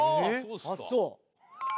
ああそう！